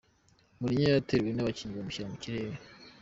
Mourinho yateruwe n'abakinnyi bamushyira mu birere.